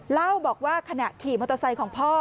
เล่าบอกว่าขณะขี่มอเตอร์ไซค์ของพ่อ